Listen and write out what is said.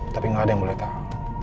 tapi nggak ada yang boleh tahu